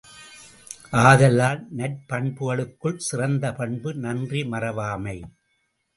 ஆதலால், நற்பண்புகளுக்குள் சிறந்த பண்பு நன்றி மறவாமை.